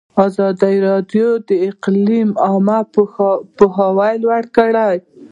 ازادي راډیو د اقلیم لپاره عامه پوهاوي لوړ کړی.